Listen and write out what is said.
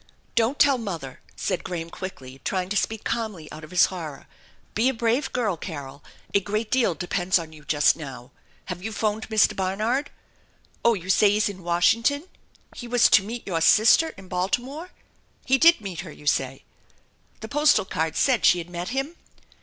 "Don't tell mother," said Graham quickly, trying to speak calmly out of his horror. "Be a brave girl, Carol. A great deal depends on you just now. Have you phoned Mr. Barnard ? Oh, you say he's in Washington ? He was to meet your sister in Baltimore? He did meet her you say? The postal card said she had met him?